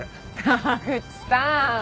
田口さん！